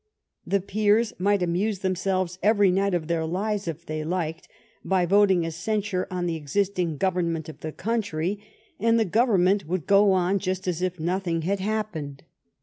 The Peers might amuse themselves every night of their lives, if they liked, by voting a censure on the existing Government of the country, and the Government would go on just as if nothing had happened.